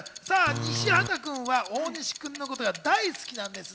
西畑君は大西君のことが大好きなんです。